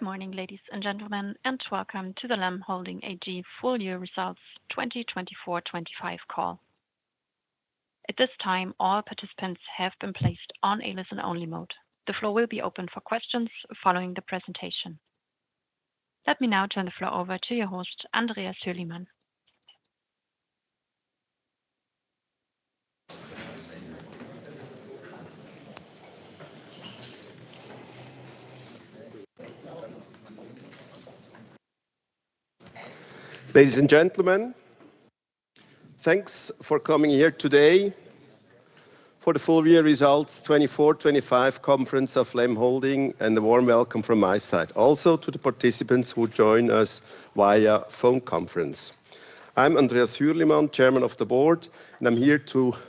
Good morning, ladies and gentlemen, and welcome to the LEM Holding AG Full-Year Results 2024-2025 Call. At this time, all participants have been placed on a listen-only mode. The floor will be open for questions following the presentation. Let me now turn the floor over to your host, Andreas Hürlimann. Ladies and gentlemen, thanks for coming here today for the Full-Year Results 2024-2025 Conference of LEM Holding, and a warm welcome from my side, also to the participants who join us via phone conference. I'm Andreas Hürlimann, Chairman of the Board, and I'm here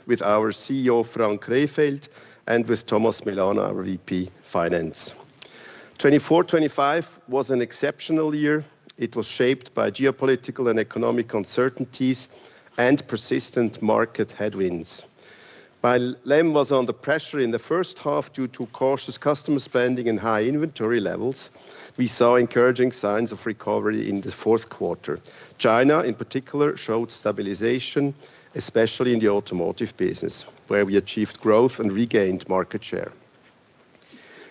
with our CEO, Frank Rehfeld, and with Thomas Mellano, our VP Finance. 2024-2025 was an exceptional year. It was shaped by geopolitical and economic uncertainties and persistent market headwinds. While LEM was under pressure in the first half due to cautious customer spending and high inventory levels, we saw encouraging signs of recovery in the fourth quarter. China, in particular, showed stabilization, especially in the automotive business, where we achieved growth and regained market share.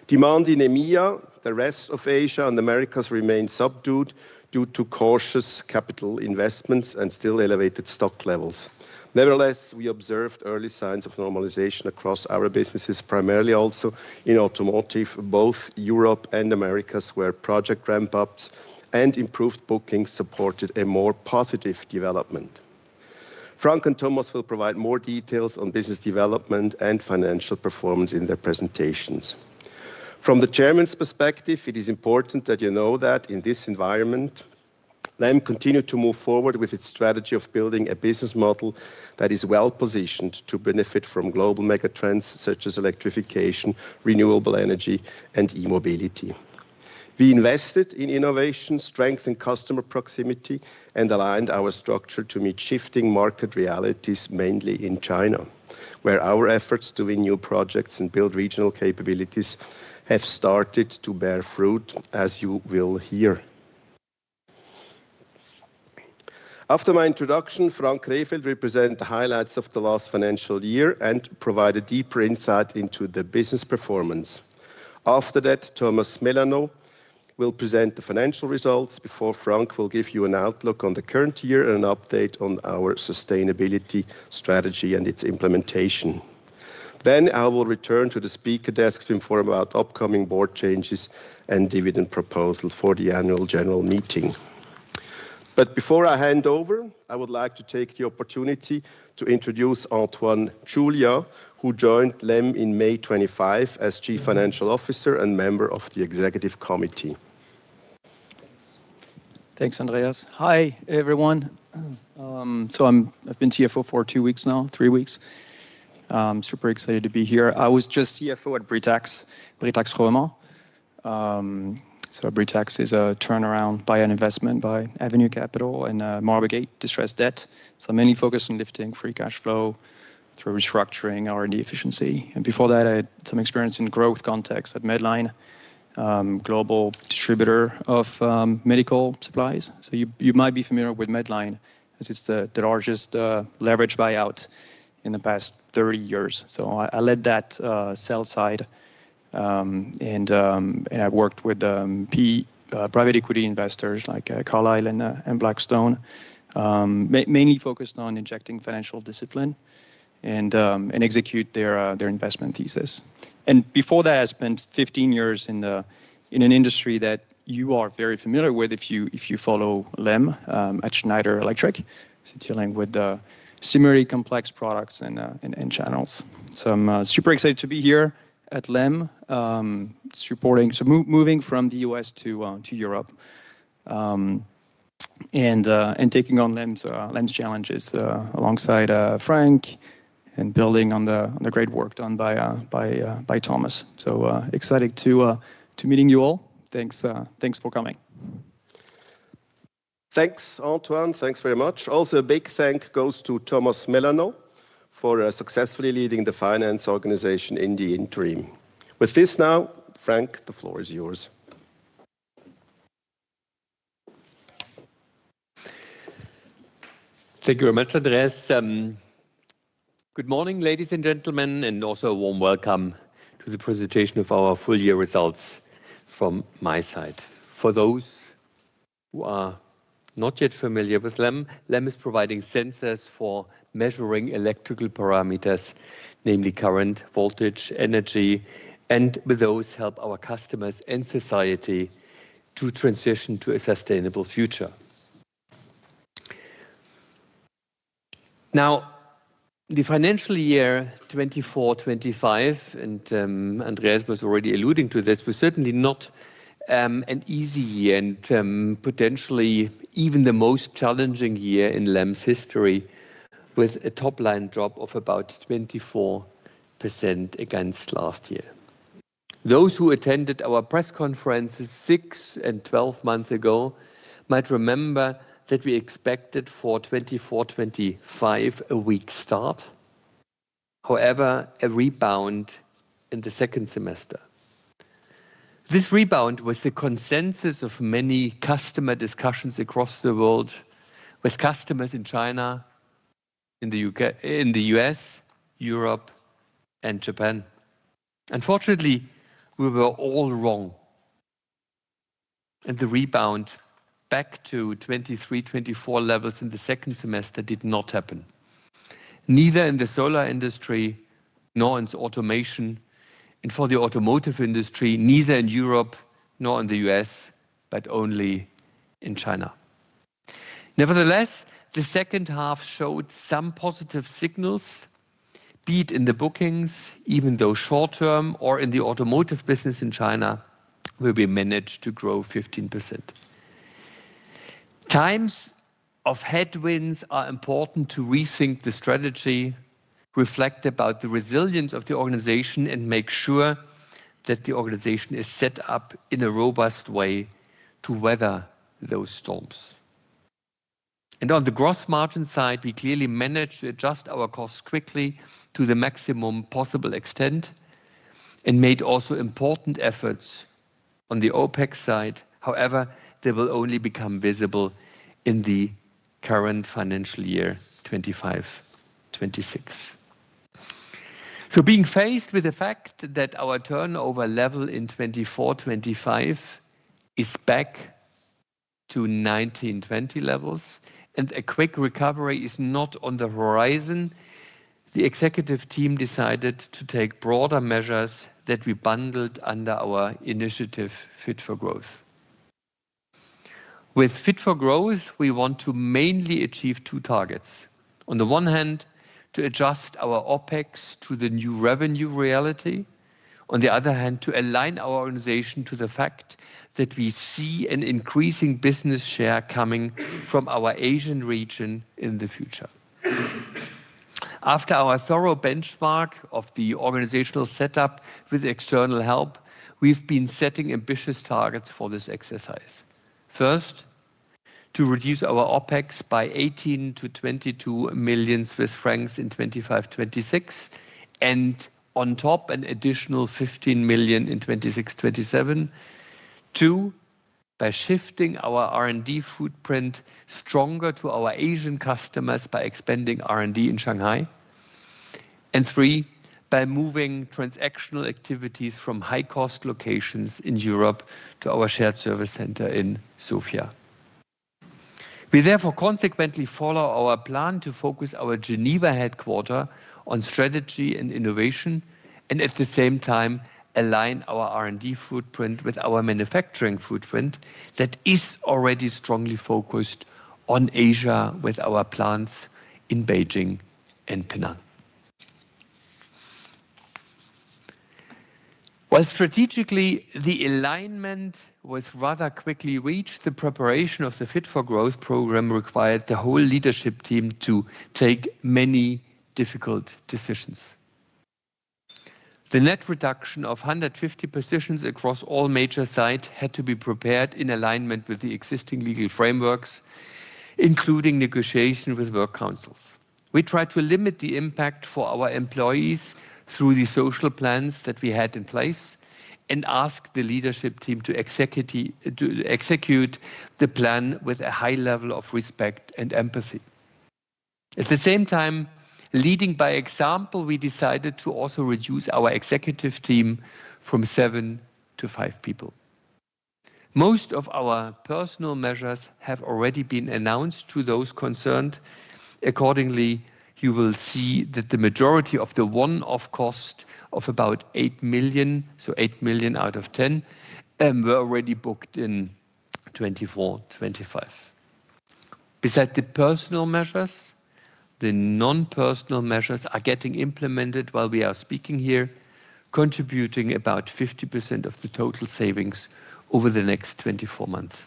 Demand in EMEA, the rest of Asia, and Americas remained subdued due to cautious capital investments and still elevated stock levels. Nevertheless, we observed early signs of normalization across our businesses, primarily also in automotive. Both Europe and Americas were project ramp-ups, and improved bookings supported a more positive development. Frank and Thomas will provide more details on business development and financial performance in their presentations. From the Chairman's perspective, it is important that you know that in this environment, LEM continued to move forward with its strategy of building a business model that is well-positioned to benefit from global megatrends such as electrification, renewable energy, and e-mobility. We invested in innovation, strengthened customer proximity, and aligned our structure to meet shifting market realities, mainly in China, where our efforts to win new projects and build regional capabilities have started to bear fruit, as you will hear. After my introduction, Frank Rehfeld will present the highlights of the last financial year and provide a deeper insight into the business performance. After that, Thomas Mellano will present the financial results, before Frank will give you an outlook on the current year and an update on our sustainability strategy and its implementation. I will return to the speaker desk to inform about upcoming board changes and dividend proposals for the annual general meeting. Before I hand over, I would like to take the opportunity to introduce Antoine Chulia, who joined LEM in May 2025 as Chief Financial Officer and member of the Executive Committee. Thanks, Andreas. Hi, everyone. I've been CFO for two weeks now, three weeks. I'm super excited to be here. I was just CFO at Britax Römer. Britax is a turnaround buy-in investment by Avenue Capital and Market Gate distressed debt, mainly focused on lifting free cash flow through restructuring R&D efficiency. Before that, I had some experience in growth context at Medline, a global distributor of medical supplies. You might be familiar with Medline, as it's the largest leveraged buyout in the past 30 years. I led that sell side, and I worked with private equity investors like Carlyle and Blackstone, mainly focused on injecting financial discipline and executing their investment thesis. Before that, I spent 15 years in an industry that you are very familiar with if you follow LEM at Schneider Electric, a city link with similarly complex products and channels. I'm super excited to be here at LEM, moving from the US to Europe and taking on LEM's challenges alongside Frank and building on the great work done by Thomas. So excited to meet you all. Thanks for coming. Thanks, Antoine. Thanks very much. Also, a big thank you goes to Thomas Mellano for successfully leading the finance organization in the interim. With this, now, Frank, the floor is yours. Thank you very much, Andreas. Good morning, ladies and gentlemen, and also a warm welcome to the presentation of our full-year results from my side. For those who are not yet familiar with LEM, LEM is providing sensors for measuring electrical parameters, namely current, voltage, energy, and with those help our customers and society to transition to a sustainable future. Now, the financial year 2024-2025, and Andreas was already alluding to this, was certainly not an easy year and potentially even the most challenging year in LEM's history, with a top-line drop of about 24% against last year. Those who attended our press conferences six and twelve months ago might remember that we expected for 2024-2025 a weak start. However, a rebound in the second semester. This rebound was the consensus of many customer discussions across the world with customers in China, in the US, Europe, and Japan. Unfortunately, we were all wrong, and the rebound back to 2023-2024 levels in the second semester did not happen, neither in the solar industry nor in automation, and for the automotive industry, neither in Europe nor in the U.S., but only in China. Nevertheless, the second half showed some positive signals, be it in the bookings, even though short-term, or in the automotive business in China where we managed to grow 15%. Times of headwinds are important to rethink the strategy, reflect about the resilience of the organization, and make sure that the organization is set up in a robust way to weather those storms. On the gross margin side, we clearly managed to adjust our costs quickly to the maximum possible extent and made also important efforts on the OPEX side. However, they will only become visible in the current financial year 2025-2026. Being faced with the fact that our turnover level in 2024-2025 is back to 2019-2020 levels and a quick recovery is not on the horizon, the executive team decided to take broader measures that we bundled under our initiative Fit for Growth. With Fit for Growth, we want to mainly achieve two targets. On the one hand, to adjust our OPEX to the new revenue reality. On the other hand, to align our organization to the fact that we see an increasing business share coming from our Asian region in the future. After our thorough benchmark of the organizational setup with external help, we've been setting ambitious targets for this exercise. First, to reduce our OPEX by 18 million-22 million Swiss francs in 2025-2026, and on top, an additional 15 million in 2026-2027. Two, by shifting our R&D footprint stronger to our Asian customers by expanding R&D in Shanghai. Three, by moving transactional activities from high-cost locations in Europe to our shared service center in Sofia. We therefore consequently follow our plan to focus our Geneva headquarter on strategy and innovation, and at the same time, align our R&D footprint with our manufacturing footprint that is already strongly focused on Asia with our plants in Beijing and Penang. While strategically, the alignment was rather quickly reached, the preparation of the Fit for Growth program required the whole leadership team to take many difficult decisions. The net reduction of 150 positions across all major sites had to be prepared in alignment with the existing legal frameworks, including negotiation with work councils. We tried to limit the impact for our employees through the social plans that we had in place and asked the leadership team to execute the plan with a high level of respect and empathy. At the same time, leading by example, we decided to also reduce our executive team from seven to five people. Most of our personal measures have already been announced to those concerned. Accordingly, you will see that the majority of the one-off cost of about 8 million, so 8 million out of 10 million, were already booked in 2024-2025. Beside the personal measures, the non-personal measures are getting implemented while we are speaking here, contributing about 50% of the total savings over the next 24 months.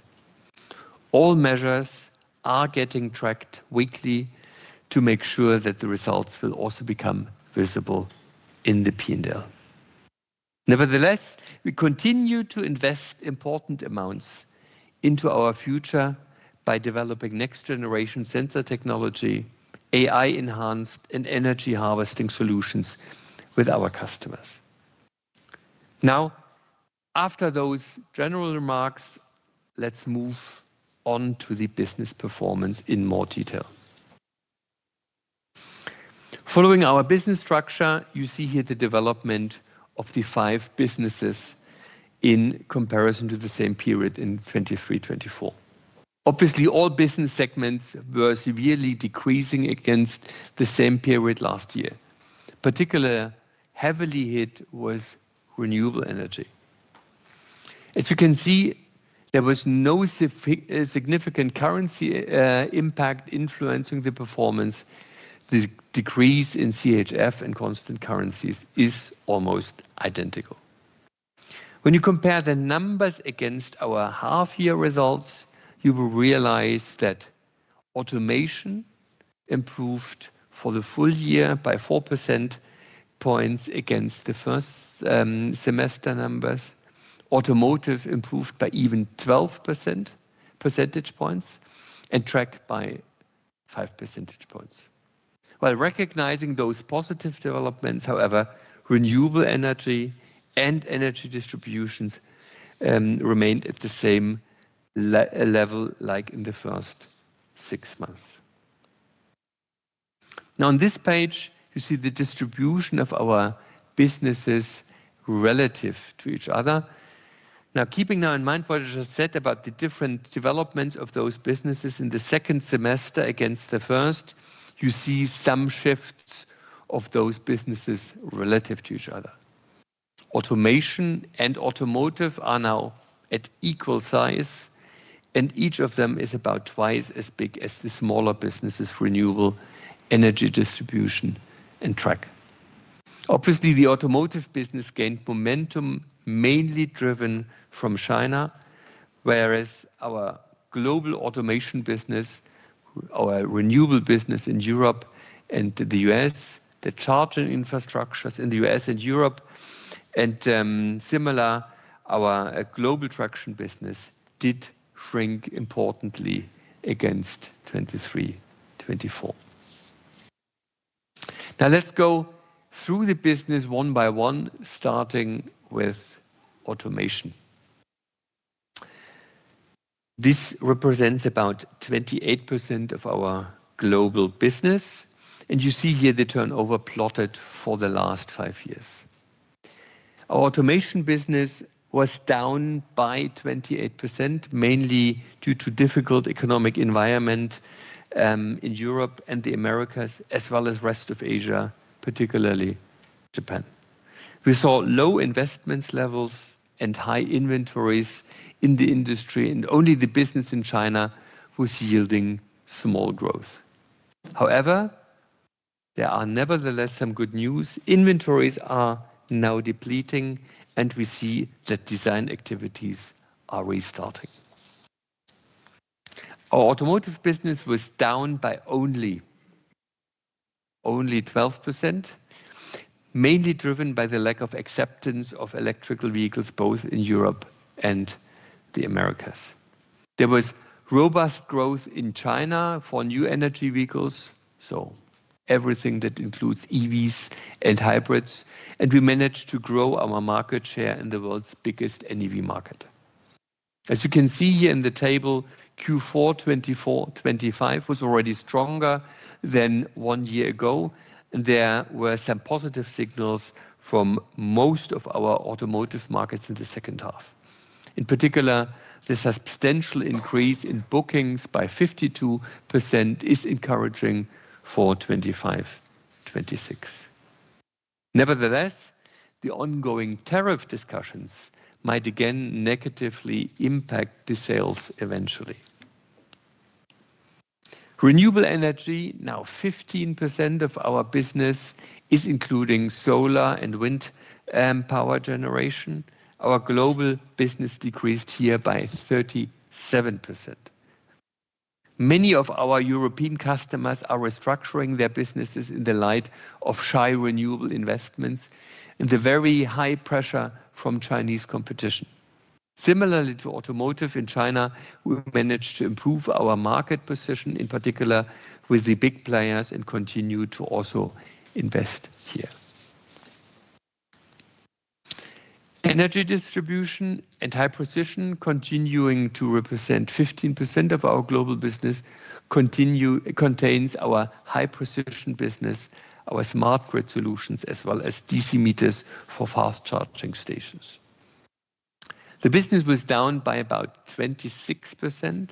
All measures are getting tracked weekly to make sure that the results will also become visible in the P&L. Nevertheless, we continue to invest important amounts into our future by developing next-generation sensor technology, AI-enhanced, and energy harvesting solutions with our customers. Now, after those general remarks, let's move on to the business performance in more detail. Following our business structure, you see here the development of the five businesses in comparison to the same period in 2023-2024. Obviously, all business segments were severely decreasing against the same period last year. Particularly heavily hit was renewable energy. As you can see, there was no significant currency impact influencing the performance. The decrease in CHF and constant currencies is almost identical. When you compare the numbers against our half-year results, you will realize that automation improved for the full year by 4 percentage points against the first semester numbers. Automotive improved by even 12 percentage points and tracked by 5 percentage points. While recognizing those positive developments, however, renewable energy and energy distribution remained at the same level like in the first six months. Now, on this page, you see the distribution of our businesses relative to each other. Now, keeping in mind what I just said about the different developments of those businesses in the second semester against the first, you see some shifts of those businesses relative to each other. Automation and automotive are now at equal size, and each of them is about twice as big as the smaller businesses for renewable energy, distribution, and track. Obviously, the automotive business gained momentum, mainly driven from China, whereas our global automation business, our renewable business in Europe and the US, the charging infrastructures in the US and Europe, and similarly, our global traction business did shrink importantly against 2023-2024. Now, let's go through the business one by one, starting with automation. This represents about 28% of our global business, and you see here the turnover plotted for the last five years. Our automation business was down by 28%, mainly due to a difficult economic environment in Europe and the Americas, as well as the rest of Asia, particularly Japan. We saw low investment levels and high inventories in the industry, and only the business in China was yielding small growth. However, there are nevertheless some good news. Inventories are now depleting, and we see that design activities are restarting. Our automotive business was down by only 12%, mainly driven by the lack of acceptance of electrical vehicles both in Europe and the Americas. There was robust growth in China for new energy vehicles, so everything that includes EVs and hybrids, and we managed to grow our market share in the world's biggest NEV market. As you can see here in the table, Q4 2024-2025 was already stronger than one year ago, and there were some positive signals from most of our automotive markets in the second half. In particular, the substantial increase in bookings by 52% is encouraging for 2025-2026. Nevertheless, the ongoing tariff discussions might again negatively impact the sales eventually. Renewable energy, now 15% of our business, is including solar and wind power generation. Our global business decreased here by 37%. Many of our European customers are restructuring their businesses in the light of shy renewable investments and the very high pressure from Chinese competition. Similarly to automotive in China, we managed to improve our market position, in particular with the big players, and continue to also invest here. Energy distribution and high precision, continuing to represent 15% of our global business, contains our high precision business, our smart grid solutions, as well as DC meters for fast charging stations. The business was down by about 26%,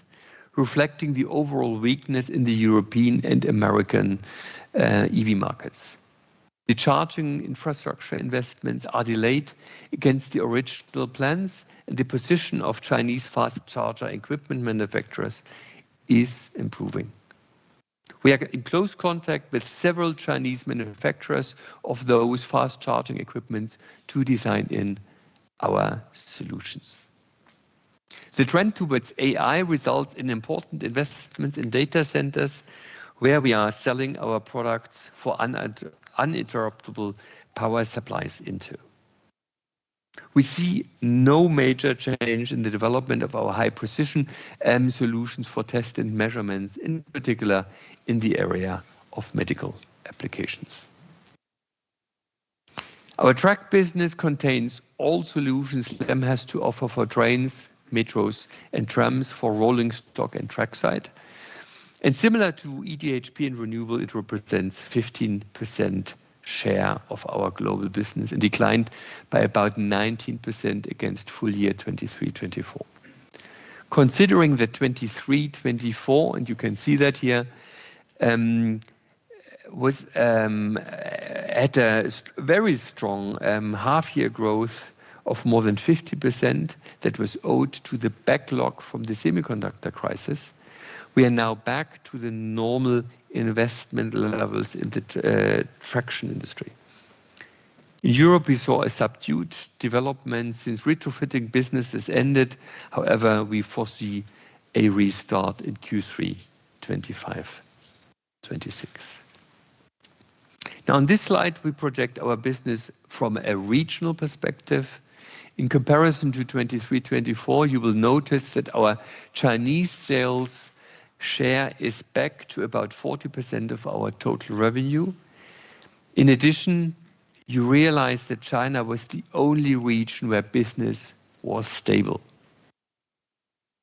reflecting the overall weakness in the European and American EV markets. The charging infrastructure investments are delayed against the original plans, and the position of Chinese fast charger equipment manufacturers is improving. We are in close contact with several Chinese manufacturers of those fast charging equipment to design in our solutions. The trend towards AI results in important investments in data centers, where we are selling our products for uninterruptible power supplies into. We see no major change in the development of our high precision solutions for testing measurements, in particular in the area of medical applications. Our Track business contains all solutions LEM has to offer for trains, metros, and trams for rolling stock and track site. Similar to automation and renewable, it represents a 15% share of our global business and declined by about 19% against full year 2023-2024. Considering that 2023-2024, and you can see that here, had a very strong half-year growth of more than 50% that was owed to the backlog from the semiconductor crisis, we are now back to the normal investment levels in the traction industry. In Europe, we saw a subdued development since retrofitting businesses ended. However, we foresee a restart in Q3 2025-2026. Now, on this slide, we project our business from a regional perspective. In comparison to 2023-2024, you will notice that our Chinese sales share is back to about 40% of our total revenue. In addition, you realize that China was the only region where business was stable.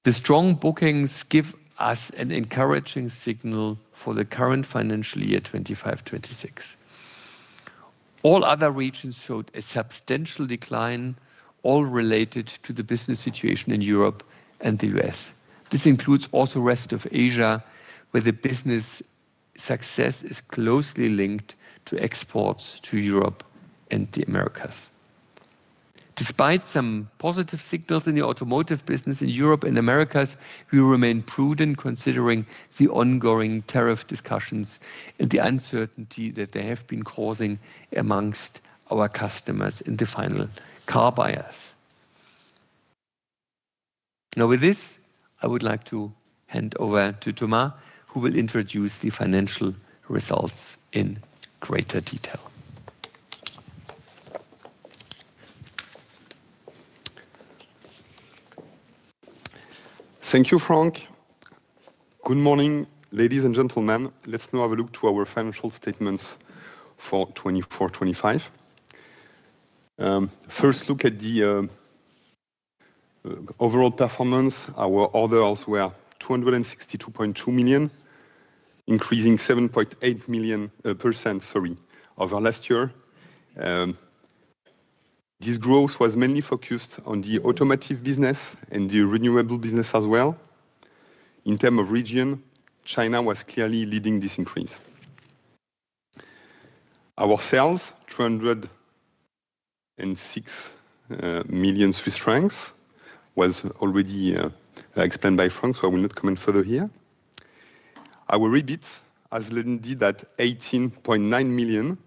The strong bookings give us an encouraging signal for the current financial year 2025-2026. All other regions showed a substantial decline, all related to the business situation in Europe and the U.S. This includes also the rest of Asia, where the business success is closely linked to exports to Europe and the Americas. Despite some positive signals in the automotive business in Europe and Americas, we remain prudent considering the ongoing tariff discussions and the uncertainty that they have been causing amongst our customers and the final car buyers. Now, with this, I would like to hand over to Thomas, who will introduce the financial results in greater detail. Thank you, Frank. Good morning, ladies and gentlemen. Let's now have a look at our financial statements for 2024-2025. First, look at the overall performance. Our orders were 262.2 million, increasing 7.8 million, percent, sorry, over last year. This growth was mainly focused on the automotive business and the renewable business as well. In terms of region, China was clearly leading this increase. Our sales, 206 million Swiss francs, was already explained by Frank, so I will not comment further here. Our EBIT, as Lene did, at 18.9 million,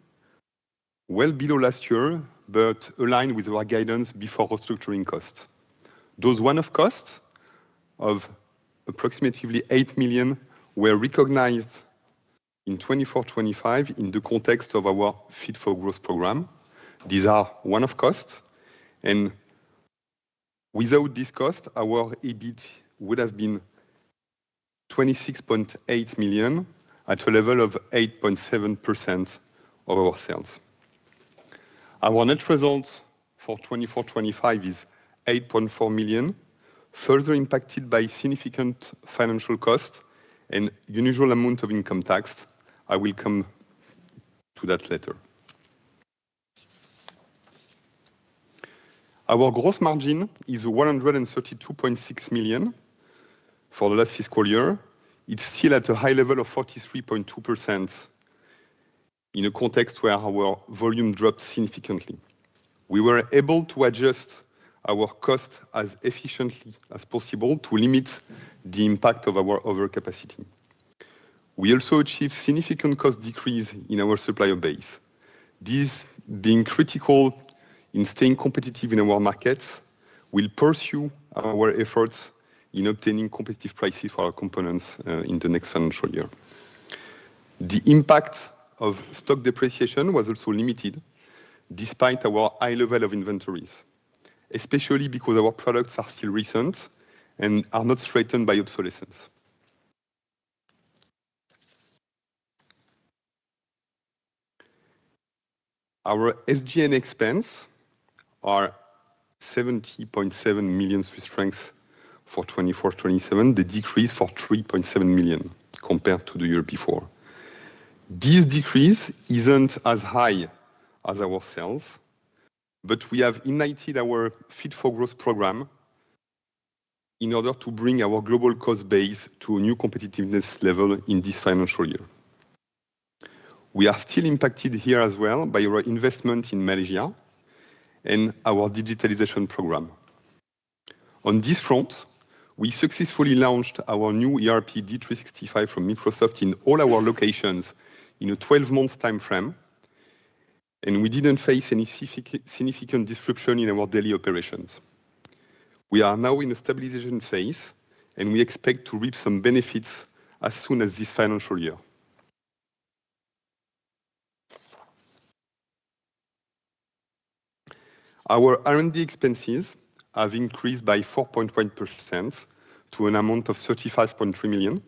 well below last year, but aligned with our guidance before restructuring costs. Those one-off costs of approximately 8 million were recognized in 2024-2025 in the context of our Fit for Growth program. These are one-off costs. Without these costs, our EBIT would have been 26.8 million at a level of 8.7% of our sales. Our net result for 2024-2025 is 8.4 million, further impacted by significant financial costs and an unusual amount of income tax. I will come to that later. Our gross margin is 132.6 million for the last fiscal year. It is still at a high level of 43.2% in a context where our volume dropped significantly. We were able to adjust our costs as efficiently as possible to limit the impact of our overcapacity. We also achieved significant cost decrease in our supplier base. This, being critical in staying competitive in our markets, will pursue our efforts in obtaining competitive prices for our components in the next financial year. The impact of stock depreciation was also limited despite our high level of inventories, especially because our products are still recent and are not threatened by obsolescence. Our SG&A expenses are 70.7 million Swiss francs for 2024-2025. They decreased by 3.7 million compared to the year before. This decrease isn't as high as our sales, but we have ignited our Fit for Growth program in order to bring our global cost base to a new competitiveness level in this financial year. We are still impacted here as well by our investment in Malaysia and our digitalization program. On this front, we successfully launched our new ERP D365 from Microsoft in all our locations in a 12-month time frame, and we didn't face any significant disruption in our daily operations. We are now in a stabilization phase, and we expect to reap some benefits as soon as this financial year. Our R&D expenses have increased by 4.1% to an amount of 35.3 million.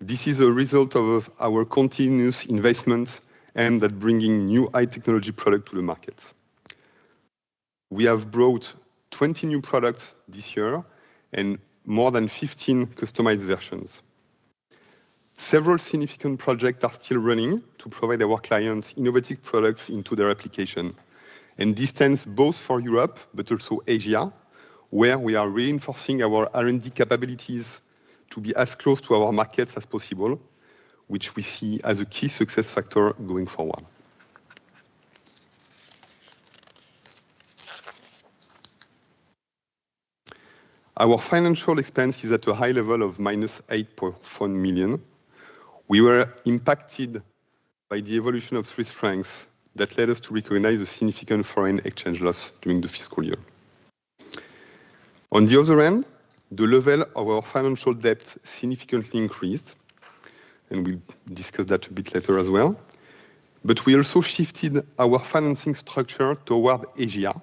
This is a result of our continuous investments aimed at bringing new high-technology products to the market. We have brought 20 new products this year and more than 15 customized versions. Several significant projects are still running to provide our clients innovative products into their application. This stems both from Europe, but also Asia, where we are reinforcing our R&D capabilities to be as close to our markets as possible, which we see as a key success factor going forward. Our financial expense is at a high level of -8.1 million. We were impacted by the evolution of Swiss francs that led us to recognize a significant foreign exchange loss during the fiscal year. On the other end, the level of our financial debt significantly increased, and we will discuss that a bit later as well. We also shifted our financing structure toward Asia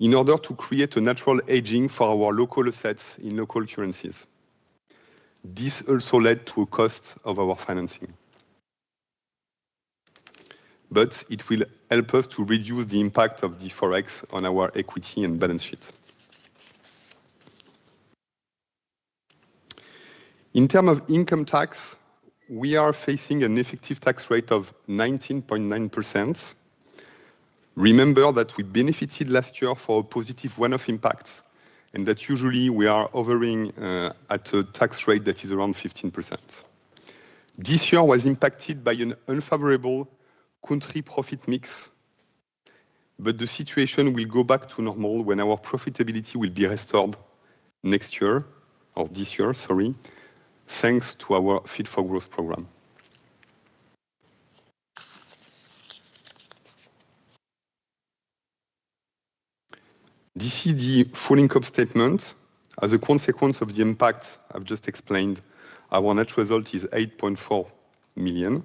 in order to create a natural hedging for our local assets in local currencies. This also led to a cost of our financing, but it will help us to reduce the impact of the Forex on our equity and balance sheet. In terms of income tax, we are facing an effective tax rate of 19.9%. Remember that we benefited last year from a positive one-off impact and that usually we are hovering at a tax rate that is around 15%. This year was impacted by an unfavorable country profit mix, but the situation will go back to normal when our profitability will be restored next year or this year, sorry, thanks to our Fit for Growth program. This is the full income statement. As a consequence of the impact I've just explained, our net result is 8.4 million,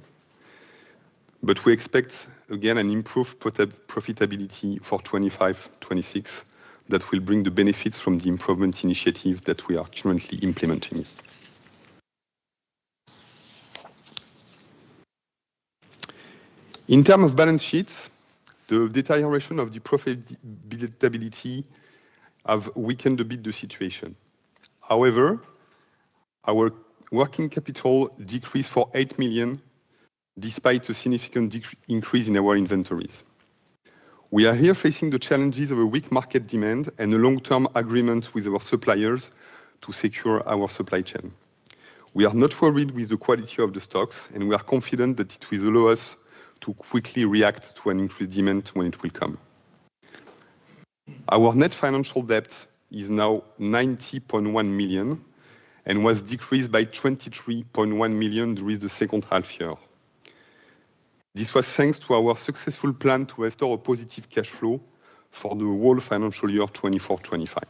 but we expect, again, an improved profitability for 2025-2026 that will bring the benefits from the improvement initiative that we are currently implementing. In terms of balance sheets, the deterioration of the profitability has weakened a bit the situation. However, our working capital decreased by 8 million despite a significant increase in our inventories. We are here facing the challenges of a weak market demand and a long-term agreement with our suppliers to secure our supply chain. We are not worried with the quality of the stocks, and we are confident that it will allow us to quickly react to an increased demand when it will come. Our net financial debt is now 90.1 million and was decreased by 23.1 million during the second half year. This was thanks to our successful plan to restore a positive cash flow for the whole financial year 2024-2025.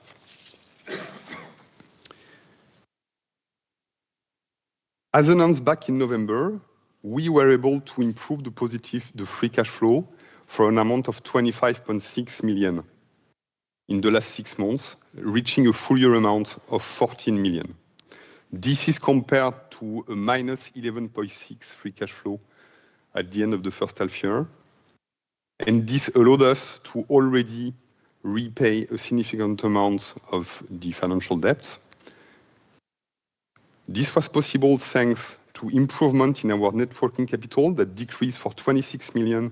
As announced back in November, we were able to improve the positive free cash flow for an amount of 25.6 million in the last six months, reaching a full year amount of 14 million. This is compared to a minus 11.6 million free cash flow at the end of the first half year, and this allowed us to already repay a significant amount of the financial debt. This was possible thanks to improvements in our net working capital that decreased by 26 million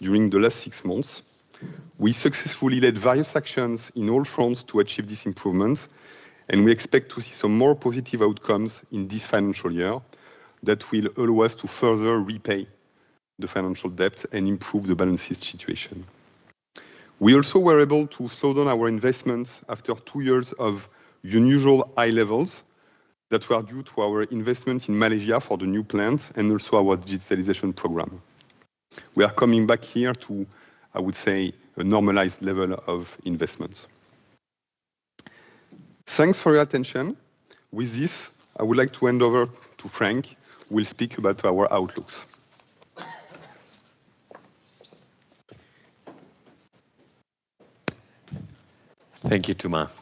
during the last six months. We successfully led various actions in all fronts to achieve these improvements, and we expect to see some more positive outcomes in this financial year that will allow us to further repay the financial debt and improve the balance sheet situation. We also were able to slow down our investments after two years of unusually high levels that were due to our investments in Malaysia for the new plants and also our digitalization program. We are coming back here to, I would say, a normalized level of investments. Thanks for your attention. With this, I would like to hand over to Frank, who will speak about our outlooks. Thank you, Thomas.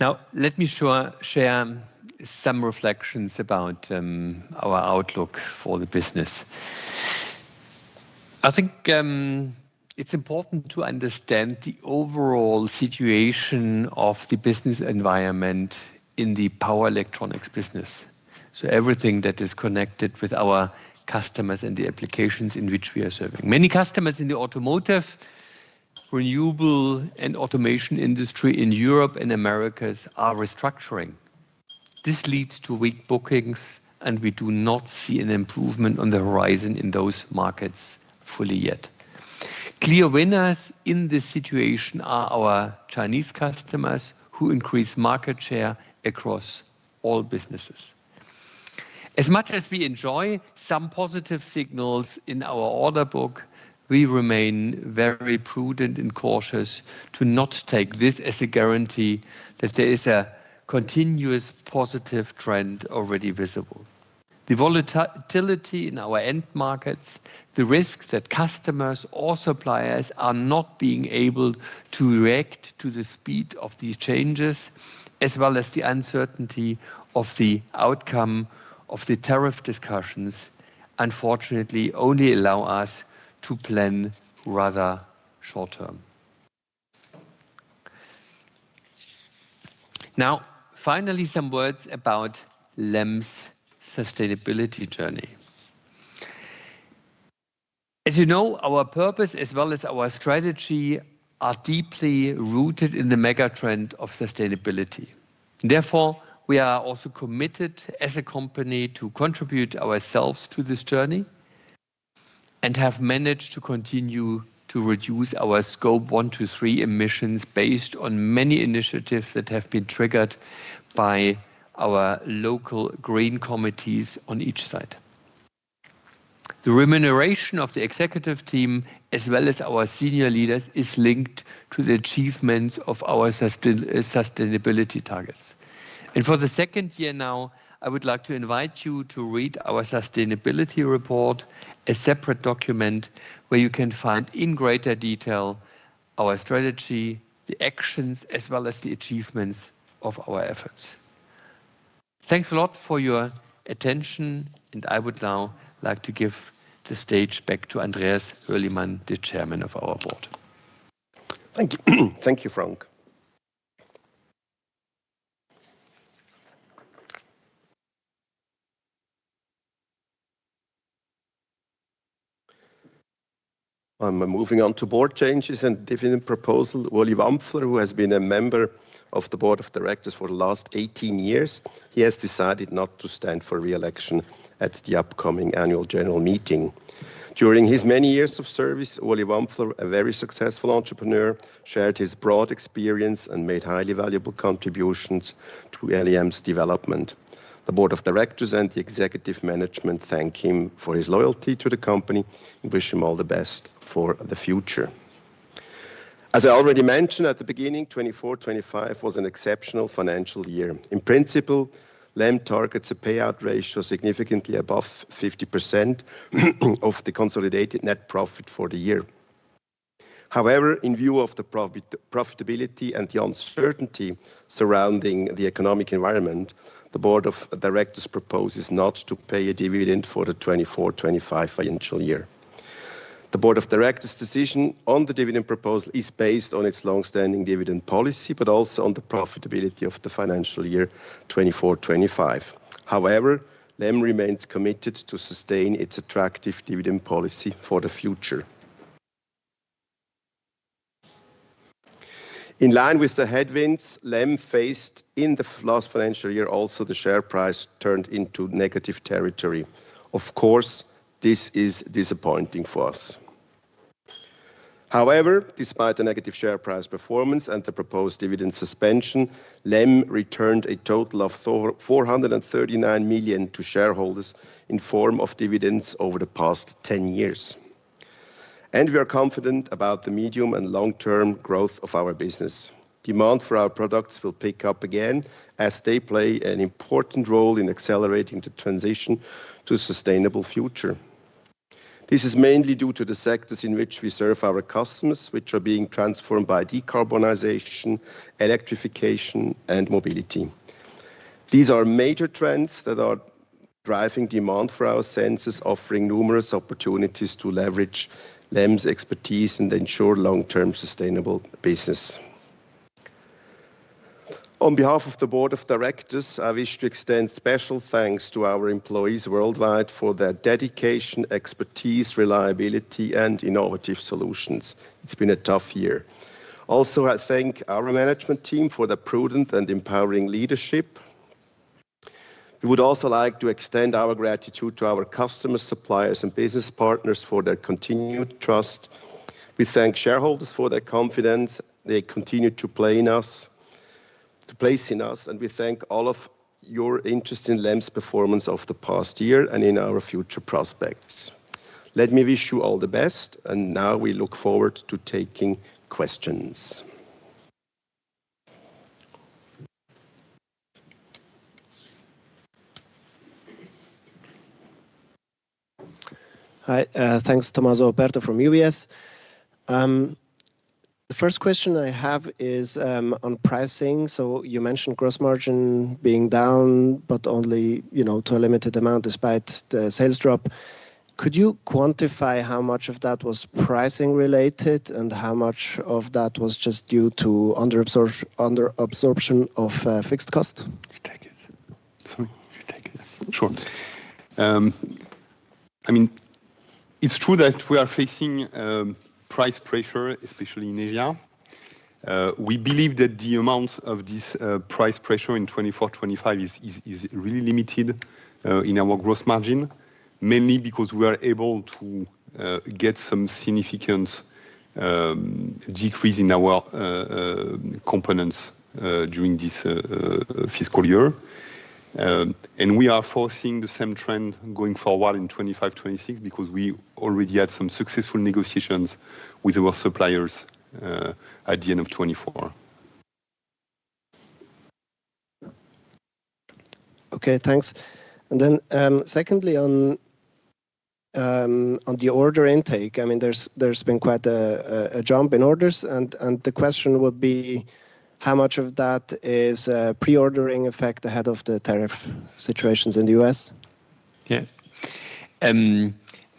Now, let me share some reflections about our outlook for the business. I think it's important to understand the overall situation of the business environment in the power electronics business, so everything that is connected with our customers and the applications in which we are serving. Many customers in the automotive, renewable, and automation industry in Europe and Americas are restructuring. This leads to weak bookings, and we do not see an improvement on the horizon in those markets fully yet. Clear winners in this situation are our Chinese customers who increase market share across all businesses. As much as we enjoy some positive signals in our order book, we remain very prudent and cautious to not take this as a guarantee that there is a continuous positive trend already visible. The volatility in our end markets, the risk that customers or suppliers are not being able to react to the speed of these changes, as well as the uncertainty of the outcome of the tariff discussions, unfortunately only allow us to plan rather short-term. Now, finally, some words about LEM's sustainability journey. As you know, our purpose as well as our strategy are deeply rooted in the megatrend of sustainability. Therefore, we are also committed as a company to contribute ourselves to this journey and have managed to continue to reduce our scope 1-3 emissions based on many initiatives that have been triggered by our local green committees on each site. The remuneration of the executive team, as well as our senior leaders, is linked to the achievements of our sustainability targets. For the second year now, I would like to invite you to read our sustainability report, a separate document where you can find in greater detail our strategy, the actions, as well as the achievements of our efforts. Thanks a lot for your attention, and I would now like to give the stage back to Andreas Hürlimann, the Chairman of our Board. Thank you. Thank you, Frank. I am moving on to board changes and dividend proposal. Ole Wampfler, who has been a member of the Board of Directors for the last 18 years, has decided not to stand for reelection at the upcoming Annual General Meeting. During his many years of service, Ole Wampfler, a very successful entrepreneur, shared his broad experience and made highly valuable contributions to LEM's development. The Board of Directors and the Executive Management thank him for his loyalty to the company and wish him all the best for the future. As I already mentioned at the beginning, 2024-2025 was an exceptional financial year. In principle, LEM targets a payout ratio significantly above 50% of the consolidated net profit for the year. However, in view of the profitability and the uncertainty surrounding the economic environment, the Board of Directors proposes not to pay a dividend for the 2024-2025 financial year. The board of directors' decision on the dividend proposal is based on its long-standing dividend policy, but also on the profitability of the financial year 2024-2025. However, LEM remains committed to sustain its attractive dividend policy for the future. In line with the headwinds LEM faced in the last financial year, also the share price turned into negative territory. Of course, this is disappointing for us. However, despite the negative share price performance and the proposed dividend suspension, LEM returned a total of 439 million to shareholders in form of dividends over the past 10 years. We are confident about the medium and long-term growth of our business. Demand for our products will pick up again as they play an important role in accelerating the transition to a sustainable future. This is mainly due to the sectors in which we serve our customers, which are being transformed by decarbonization, electrification, and mobility. These are major trends that are driving demand for our sensors, offering numerous opportunities to leverage LEM's expertise and ensure long-term sustainable business. On behalf of the Board of Directors, I wish to extend special thanks to our employees worldwide for their dedication, expertise, reliability, and innovative solutions. It's been a tough year. Also, I thank our management team for their prudent and empowering leadership. We would also like to extend our gratitude to our customers, suppliers, and business partners for their continued trust. We thank shareholders for their confidence, their continued support in us, and we thank all of your interest in LEM's performance of the past year and in our future prospects. Let me wish you all the best, and now we look forward to taking questions. Hi, thanks, Tomasso Operto from UBS. The first question I have is on pricing. You mentioned gross margin being down, but only to a limited amount despite the sales drop. Could you quantify how much of that was pricing related and how much of that was just due to underabsorption of fixed cost? Sure. I mean, it's true that we are facing price pressure, especially in Asia. We believe that the amount of this price pressure in 2024-2025 is really limited in our gross margin, mainly because we were able to get some significant decrease in our components during this fiscal year. We are forcing the same trend going forward in 2025-2026 because we already had some successful negotiations with our suppliers at the end of 2024. Okay, thanks. Secondly, on the order intake, I mean, there's been quite a jump in orders, and the question would be how much of that is a pre-ordering effect ahead of the tariff situations in the US. Yeah.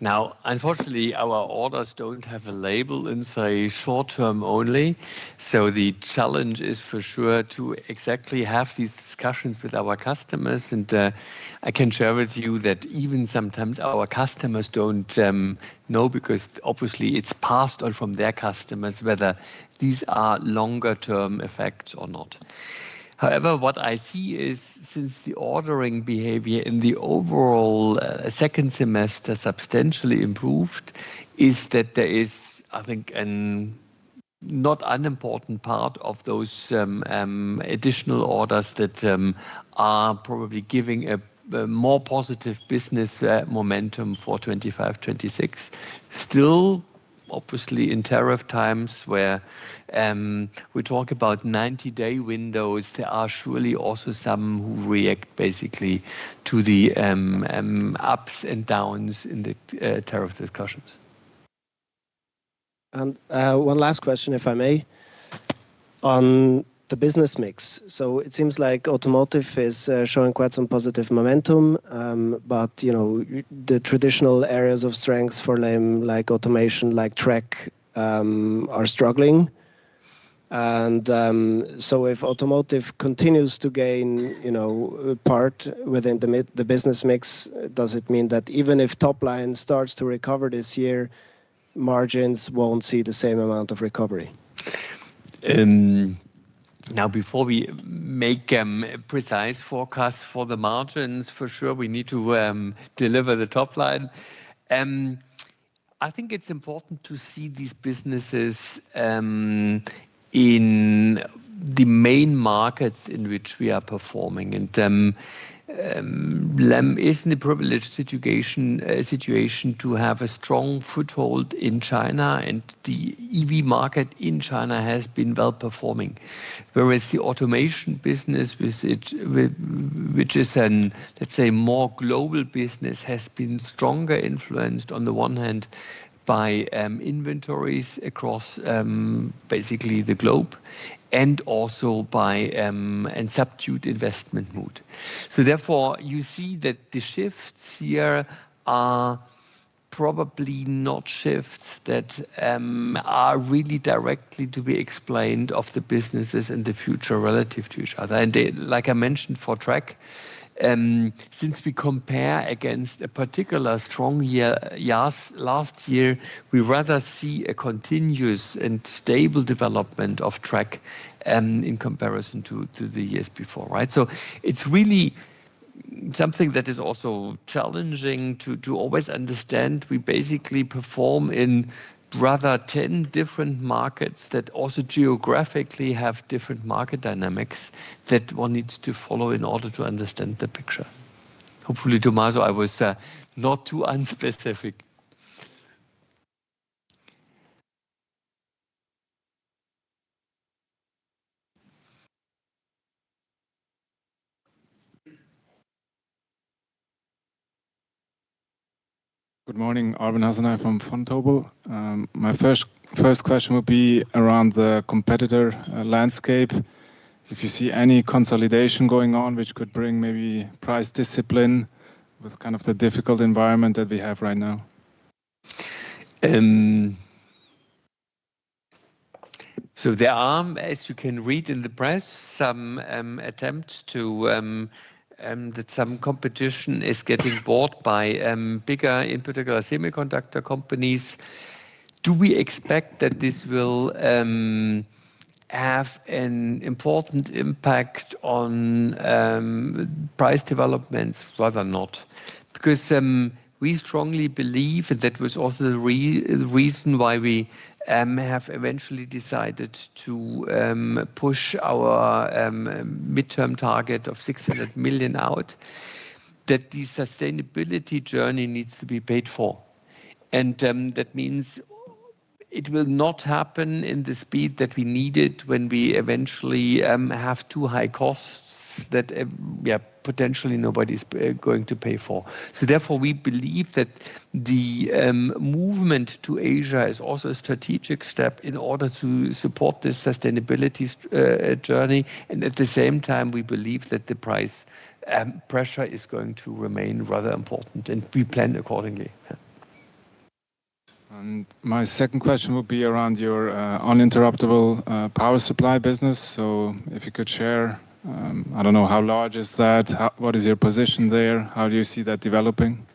Now, unfortunately, our orders don't have a label and say short-term only. The challenge is for sure to exactly have these discussions with our customers. I can share with you that even sometimes our customers don't know because obviously it's passed on from their customers whether these are longer-term effects or not. However, what I see is since the ordering behavior in the overall second semester substantially improved, there is, I think, a not unimportant part of those additional orders that are probably giving a more positive business momentum for 2025-2026. Still, obviously, in tariff times where we talk about 90-day windows, there are surely also some who react basically to the ups and downs in the tariff discussions. One last question, if I may, on the business mix. It seems like automotive is showing quite some positive momentum, but the traditional areas of strength for LEM, like automation, like track, are struggling. If automotive continues to gain a part within the business mix, does it mean that even if top line starts to recover this year, margins will not see the same amount of recovery? Now, before we make precise forecasts for the margins, for sure, we need to deliver the top line. I think it is important to see these businesses in the main markets in which we are performing. LEM is in a privileged situation to have a strong foothold in China, and the EV market in China has been well performing. Whereas the automation business, which is a, let's say, more global business, has been stronger influenced on the one hand by inventories across basically the globe and also by subdued investment mood. Therefore, you see that the shifts here are probably not shifts that are really directly to be explained of the businesses in the future relative to each other. Like I mentioned for track, since we compare against a particularly strong year last year, we rather see a continuous and stable development of track in comparison to the years before. It is really something that is also challenging to always understand. We basically perform in rather 10 different markets that also geographically have different market dynamics that one needs to follow in order to understand the picture. Hopefully, Tomaszo, I was not too unspecific. Good morning, Arben Hasenheim from Fundhobel. My first question would be around the competitor landscape. If you see any consolidation going on, which could bring maybe price discipline with kind of the difficult environment that we have right now. There are, as you can read in the press, some attempts that some competition is getting bought by bigger, in particular, semiconductor companies. Do we expect that this will have an important impact on price developments? Rather not, because we strongly believe that was also the reason why we have eventually decided to push our midterm target of 600 million out, that the sustainability journey needs to be paid for. That means it will not happen in the speed that we need it when we eventually have too high costs that potentially nobody's going to pay for. Therefore, we believe that the movement to Asia is also a strategic step in order to support the sustainability journey. At the same time, we believe that the price pressure is going to remain rather important and we plan accordingly. My second question would be around your uninterruptible power supply business. If you could share, I do not know how large is that, what is your position there, how do you see that developing?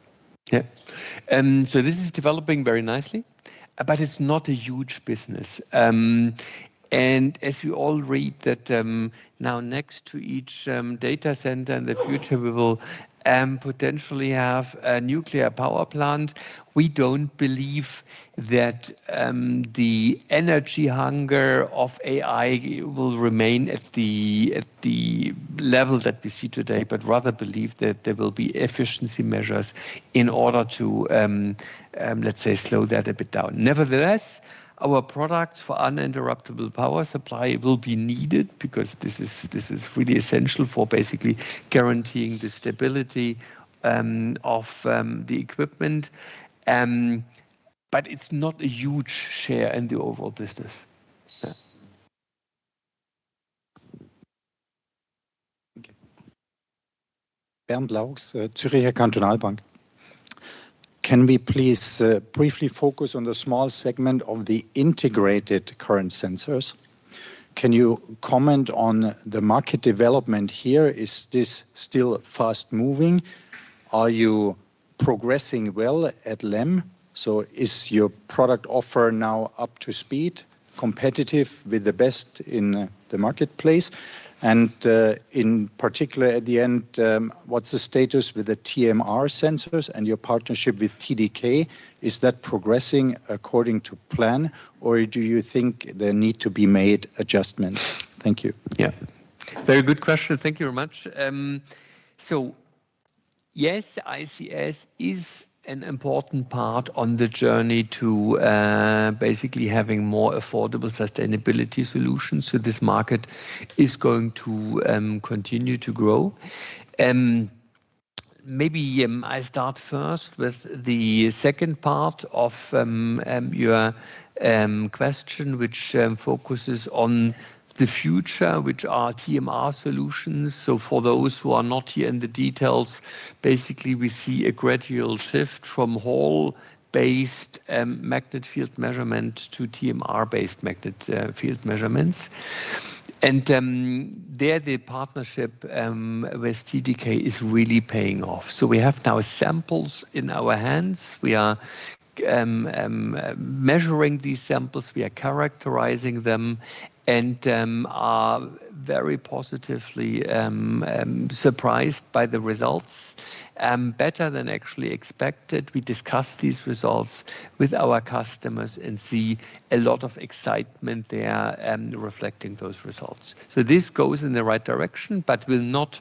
Yeah. This is developing very nicely, but it is not a huge business. As we all read that now next to each data center in the future, we will potentially have a nuclear power plant. We do not believe that the energy hunger of AI will remain at the level that we see today, but rather believe that there will be efficiency measures in order to, let's say, slow that a bit down. Nevertheless, our products for uninterruptible power supply will be needed because this is really essential for basically guaranteeing the stability of the equipment. It is not a huge share in the overall business. Bernd Laux, Zürcher Kantonalbank. Can we please briefly focus on the small segment of the integrated current sensors? Can you comment on the market development here? Is this still fast-moving? Are you progressing well at LEM? Is your product offer now up to speed, competitive with the best in the marketplace? In particular, at the end, what is the status with the TMR sensors and your partnership with TDK? Is that progressing according to plan, or do you think there need to be made adjustments? Thank you. Yeah. Very good question. Thank you very much. Yes, ICS is an important part on the journey to basically having more affordable sustainability solutions. This market is going to continue to grow. Maybe I start first with the second part of your question, which focuses on the future, which are TMR solutions. For those who are not here in the details, basically we see a gradual shift from Hall-based magnet field measurement to TMR-based magnet field measurements. The partnership with TDK is really paying off. We have now samples in our hands. We are measuring these samples. We are characterizing them and are very positively surprised by the results, better than actually expected. We discuss these results with our customers and see a lot of excitement there reflecting those results. This goes in the right direction, but will not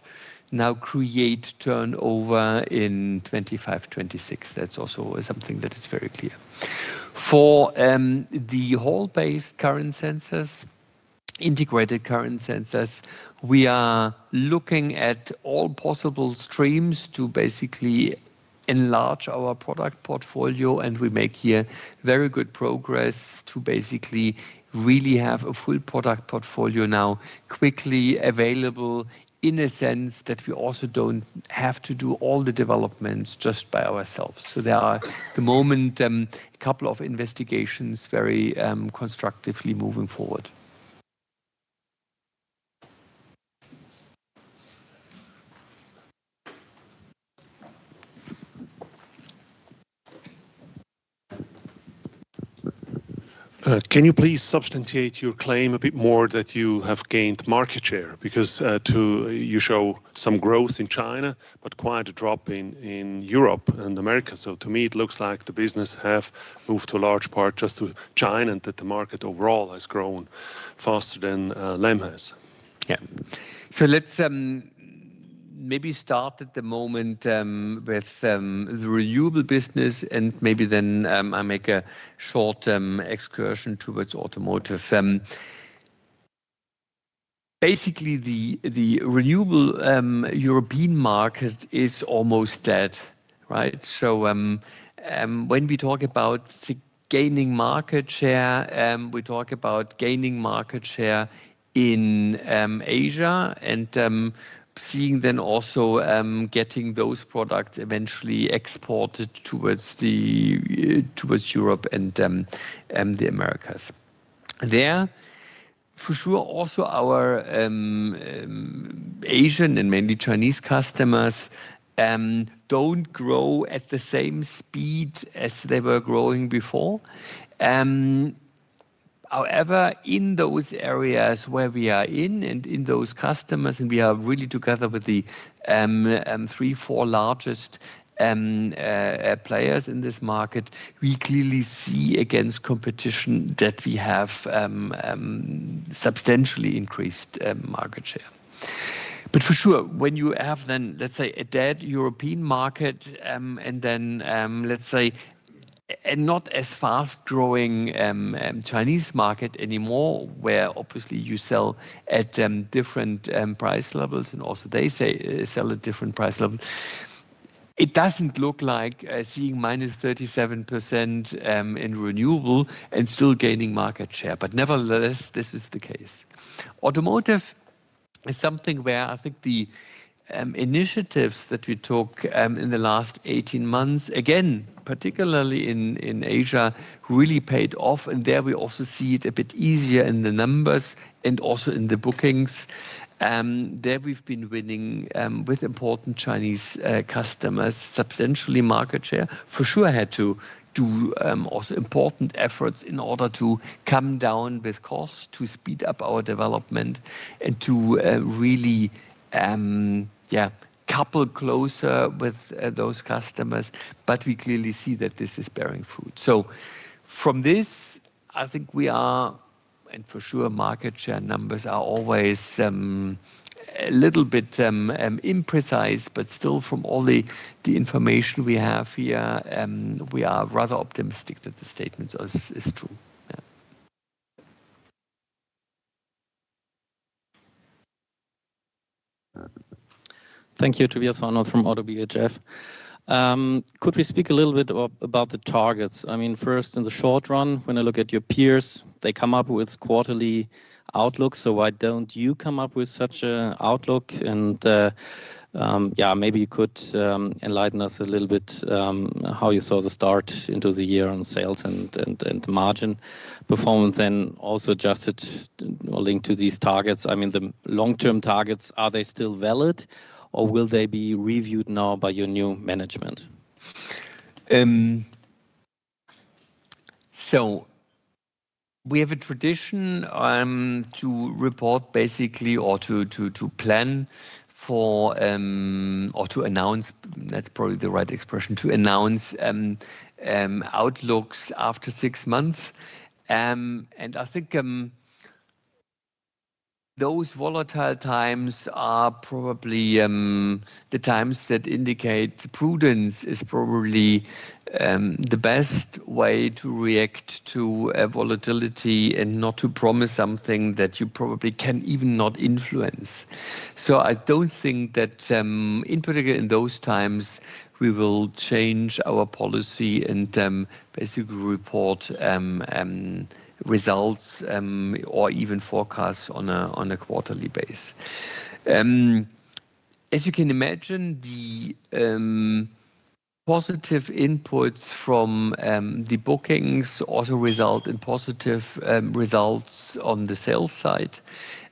now create turnover in 2025-2026. That is also something that is very clear. For the Hall-based current sensors, integrated current sensors, we are looking at all possible streams to basically enlarge our product portfolio. We make here very good progress to basically really have a full product portfolio now quickly available in a sense that we also do not have to do all the developments just by ourselves. There are at the moment a couple of investigations very constructively moving forward. Can you please substantiate your claim a bit more that you have gained market share? Because you show some growth in China, but quite a drop in Europe and Americas. To me, it looks like the business has moved to a large part just to China and that the market overall has grown faster than LEM has. Yeah. Let's maybe start at the moment with the renewable business, and maybe then I make a short excursion towards automotive. Basically, the renewable European market is almost dead, right? When we talk about gaining market share, we talk about gaining market share in Asia and seeing then also getting those products eventually exported towards Europe and the Americas. There, for sure, also our Asian and mainly Chinese customers do not grow at the same speed as they were growing before. However, in those areas where we are in and in those customers, and we are really together with the three, four largest players in this market, we clearly see against competition that we have substantially increased market share. For sure, when you have then, let's say, a dead European market and then, let's say, a not as fast-growing Chinese market anymore, where obviously you sell at different price levels and also they sell at different price levels, it does not look like seeing -37% in renewable and still gaining market share. Nevertheless, this is the case. Automotive is something where I think the initiatives that we took in the last 18 months, again, particularly in Asia, really paid off. There we also see it a bit easier in the numbers and also in the bookings. There we have been winning with important Chinese customers substantially market share. For sure, had to do also important efforts in order to come down with costs to speed up our development and to really, yeah, couple closer with those customers. We clearly see that this is bearing fruit. From this, I think we are, and for sure, market share numbers are always a little bit imprecise, but still from all the information we have here, we are rather optimistic that the statement is true. Thank you, Viazwanoth from ODDO BHF. Could we speak a little bit about the targets? I mean, first, in the short run, when I look at your peers, they come up with quarterly outlooks. Why do not you come up with such an outlook? Yeah, maybe you could enlighten us a little bit how you saw the start into the year on sales and margin performance and also adjusted or linked to these targets. I mean, the long-term targets, are they still valid or will they be reviewed now by your new management? We have a tradition to report basically or to plan for or to announce, that's probably the right expression, to announce outlooks after six months. I think those volatile times are probably the times that indicate prudence is probably the best way to react to volatility and not to promise something that you probably can even not influence. I don't think that in particular in those times, we will change our policy and basically report results or even forecasts on a quarterly base. As you can imagine, the positive inputs from the bookings also result in positive results on the sales side.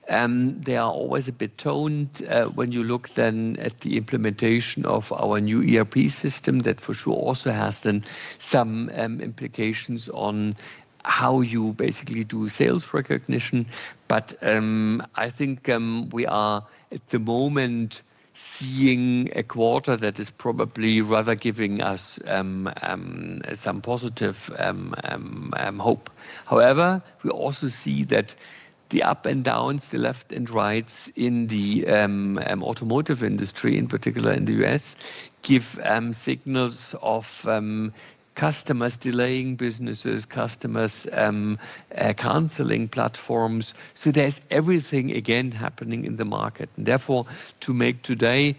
They are always a bit toned when you look then at the implementation of our new ERP system that for sure also has then some implications on how you basically do sales recognition. I think we are at the moment seeing a quarter that is probably rather giving us some positive hope. However, we also see that the up and downs, the left and rights in the automotive industry, in particular in the U.S., give signals of customers delaying businesses, customers canceling platforms. There is everything again happening in the market. Therefore, to make today